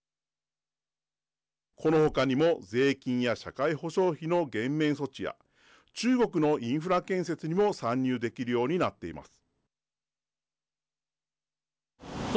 この他にも税金や社会保障費の減免措置や中国のインフラ建設にも参入できるようになっています。